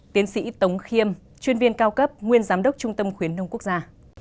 tiến sĩ tống khiêm chuyên viên cao cấp nguyên giám đốc trung tâm khuyến nông quốc gia